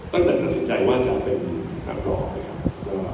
ตั้งแต่ตัดสินใจว่าจะเป็นนับร้องนะครับ